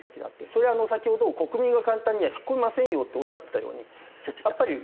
それは先ほど国民は簡単には引っ込めませんよっておっしゃってたようにやっぱり。